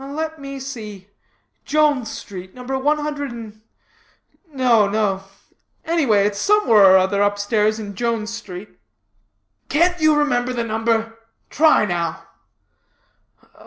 "Let me see. Jones street, number one hundred and no, no anyway, it's somewhere or other up stairs in Jones street." "Can't you remember the number? Try, now."